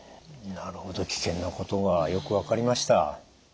なるほど危険なことがよく分かりました。